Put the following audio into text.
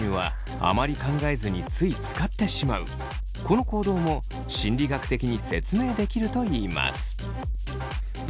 この行動も心理学的に説明できるといいます。